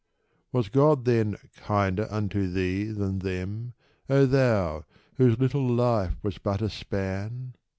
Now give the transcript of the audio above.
Was God, then, kinder unto thee than them, O thou whose little life was but a span